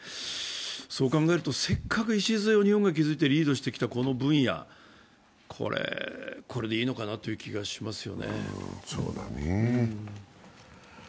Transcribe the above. そう考えるとせっかく日本が礎を築いてリードしてきた分野、これでいいのかなという気がしますよね。